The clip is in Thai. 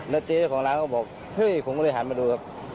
แล้วเจ๊เจ้าของร้านก็บอกเฮ้ยผมก็เลยหันมาดูครับ